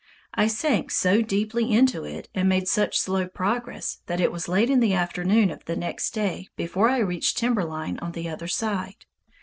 I sank so deeply into it and made such slow progress that it was late in the afternoon of the next day before I reached timber line on the other side.